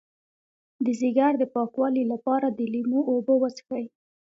د ځیګر د پاکوالي لپاره د لیمو اوبه وڅښئ